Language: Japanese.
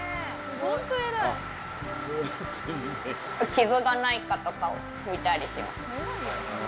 傷がないかとかを見たりします。